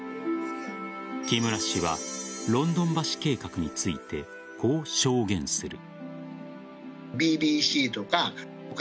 木村氏はロンドン橋計画についてこう証言する。